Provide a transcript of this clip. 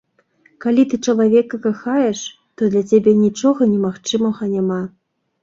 Калі ты чалавека кахаеш, то для цябе нічога немагчымага няма.